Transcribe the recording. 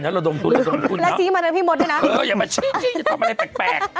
อย่ามาซึ้งเลยทำอะไรแปลก